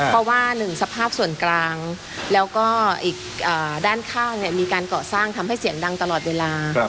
เพราะว่าหนึ่งสภาพส่วนกลางแล้วก็อีกด้านข้างมีการก่อสร้างทำให้เสียงดังตลอดเวลา